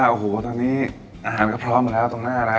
โอ้โหตอนนี้อาหารก็พร้อมแล้วตรงหน้าร้าน